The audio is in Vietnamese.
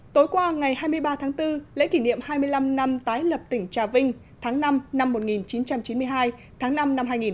tối qua ngày hai mươi ba tháng bốn lễ kỷ niệm hai mươi năm năm tái lập tỉnh trà vinh tháng năm năm một nghìn chín trăm chín mươi hai tháng năm năm hai nghìn hai mươi bốn